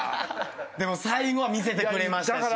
でも最後は見せてくれましたし。